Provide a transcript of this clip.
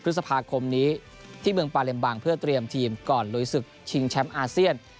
พฤษภาคมนี้ที่เมืองปาเลมบังเพื่อเตรียมทีมก่อนลุยศึกชิงแชมป์อาเซียน